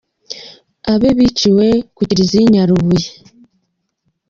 Abe biciwe ku Kiliziya i Nyarubuye.